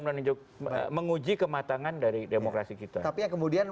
menjaga kemampuan kita untuk menjaga kemampuan kita untuk menjaga kemampuan kita untuk menjaga kemampuan